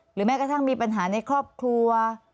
แม้กระทั่งมีปัญหาในครอบครัว